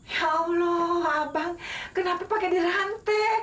ya allah abang kenapa pakai dirantai